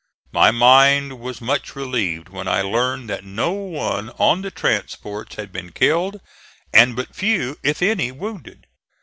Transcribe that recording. My mind was much relieved when I learned that no one on the transports had been killed and but few, if any, wounded.